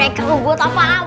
hai kau sama dudut kemana ya